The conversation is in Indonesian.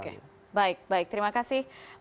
oke baik baik terima kasih mas fadi